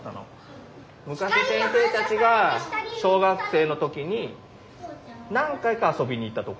昔先生たちが小学生の時に何回か遊びに行った所。